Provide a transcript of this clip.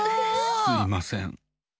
すいません。